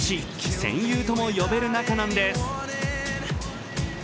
戦友とも呼べる仲なんです。